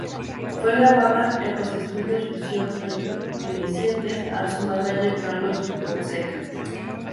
Fue grabada en los estudios Fusión, pertenecientes a su mánager Carlos Fonseca.